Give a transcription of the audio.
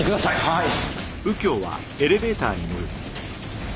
はい。